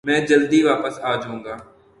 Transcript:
میں جلدی داپس آجاؤنگا ۔